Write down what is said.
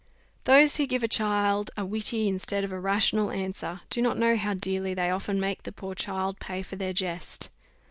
Those who give a child a witty instead of a rational answer, do not know how dearly they often make the poor child pay for their jest.